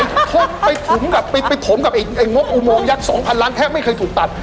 เอางบไปถมกับไอ้งบอุโมยักษ์๒๐๐๐ล้านแทบไม่เคยถูกตัด